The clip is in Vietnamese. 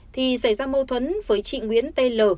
thì xảy ra mâu thuẫn với chị nguyễn t l